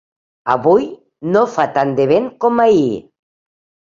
Avui no fa tant de vent com ahir.